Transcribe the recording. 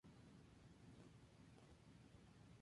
Pero las cosas no son lo que parecen.